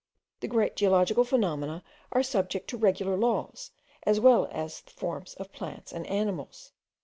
The great geological phenomena are subject to regular laws, as well as the forms of plants and animals.